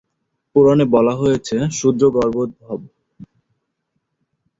পুরাণে বলা হয়েছে শূদ্রোগর্ভোদ্ভব।